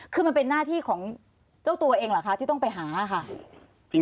คือมันเป็นหน้าที่ของเจ้าตัวเองเหรอคะที่ต้องไปหาค่ะ